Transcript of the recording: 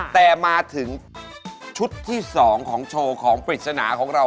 แต่มาถึงชุดที่๒ของโชว์ของปริศนาของเรา